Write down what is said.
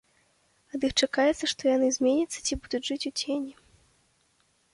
Ад іх чакаецца, што яны зменяцца ці будуць жыць у цені.